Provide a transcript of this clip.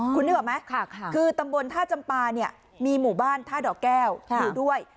คุณนึกออกไหมคือตำบลท่าจำปาเนี่ยมีหมู่บ้านท่าดอกแก้วอยู่ด้วย